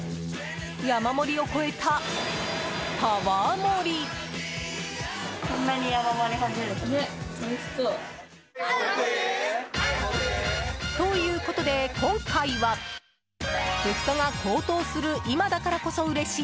山盛りを超えたタワー盛り！ということで、今回は物価が高騰する今だからこそ嬉しい！